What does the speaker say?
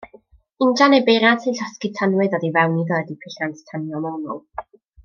Injan neu beiriant sy'n llosgi tanwydd oddi fewn iddo ydy peiriant tanio mewnol.